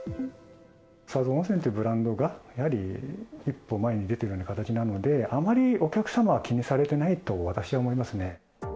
草津温泉というブランドがやはり、一歩前に出ているような形なので、あまりお客様は気にされてないと私は思いますね。